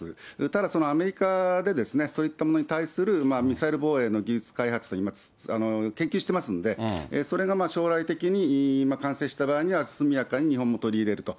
ただそのアメリカで、そういったものに対するミサイル防衛の技術開発というの研究してますので、それが将来的に完成した場合には、速やかに日本も取り入れると。